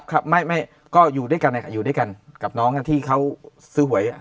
ครับไม่ไม่ก็อยู่ด้วยกันอยู่ด้วยกันกับน้องที่เขาซื้อหวย